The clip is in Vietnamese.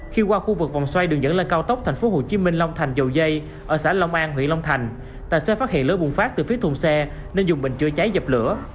khi qua khu vực vòng xoay đường dẫn lên cao tốc tp hcm long thành dầu dây ở xã long an huyện long thành tài xế phát hiện lỡ bùng phát từ phía thùng xe nên dùng bình chữa cháy dập lửa